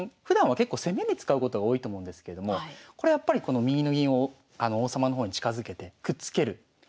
ふだんは結構攻めに使うことが多いと思うんですけれどもこれやっぱりこの右の銀を王様の方に近づけてくっつける。